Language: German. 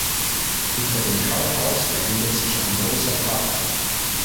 Hinter dem Kaufhaus befindet sich ein großer Park.